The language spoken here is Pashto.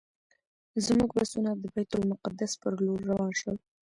زموږ بسونه د بیت المقدس پر لور روان شول.